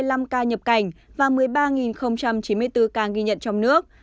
trong đó một mươi năm ca nhập cảnh và một mươi ba chín mươi bốn ca ghi nhận trong nước